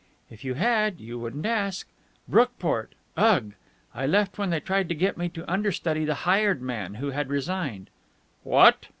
"If you had, you wouldn't ask. Brookport! Ugh! I left when they tried to get me to understudy the hired man, who had resigned." "What!"